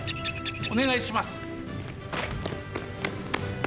おねがいします。